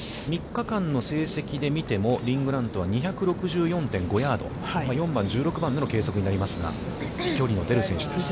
３日間の成績でみても、リン・グラントは、２６４．５ヤード、１６番での計測になりますが、飛距離の出る選手です。